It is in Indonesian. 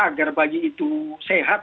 agar bayi itu sehat